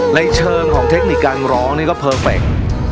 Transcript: ในเชิงของเทคนิคการร้องนี่ก็เพอร์เฟค